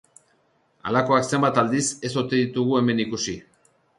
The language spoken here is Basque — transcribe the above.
Halakoak zenbat aldiz ez ote ditugun hemen ikusi.